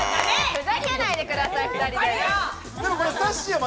ふざけないでください！